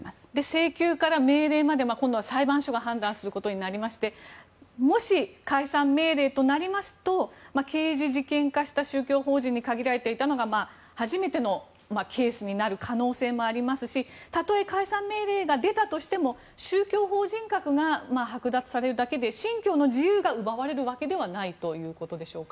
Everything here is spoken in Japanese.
請求から命令まで今度は裁判所が判断することになってもし、解散命令となりますと刑事事件化した宗教法人に限られていたのが初めてのケースになる可能性もありますしたとえ解散命令が出たとしても宗教法人格が剥奪されるだけで宗教の自由が奪われるわけではないということでしょうか？